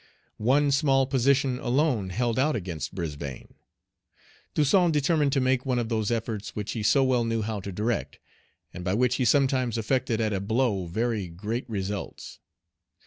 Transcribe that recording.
One small position alone held out against Brisbane. Toussaint determined to make one of those efforts which he so well knew how to direct, and by which he sometimes effected at a blow very great Page 81 results.